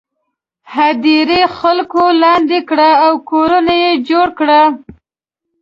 هدیرې خلکو لاندې کړي او کورونه یې جوړ کړي.